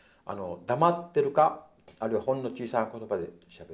黙ってるかあるいはほんの小さい言葉でしゃべる。